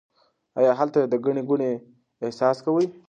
آیا هلته د ګڼې ګوڼې احساس کوئ؟